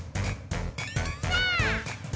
さあ！